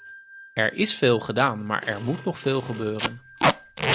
Er is veel gedaan, maar er moet nog veel gebeuren.